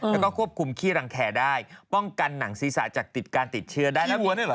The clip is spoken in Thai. แล้วก็ควบคุมขี้รังแคร์ได้ป้องกันหนังศีรษะจากติดการติดเชื้อได้แล้ว